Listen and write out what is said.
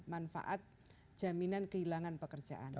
manfaat jaminan kehilangan pekerjaan